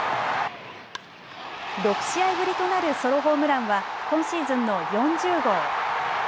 ６試合ぶりとなるソロホームランは今シーズンの４０号。